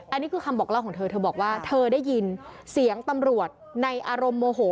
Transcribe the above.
อันนี้คือคำบอกเล่าของเธอเธอบอกว่าเธอได้ยินเสียงตำรวจในอารมณ์โมโห